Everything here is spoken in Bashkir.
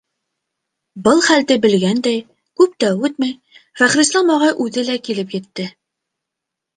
Был хәлде белгәндәй, күп тә үтмәй, Фәхрислам ағай үҙе лә килеп етте.